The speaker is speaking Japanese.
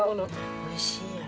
おいしいやろ。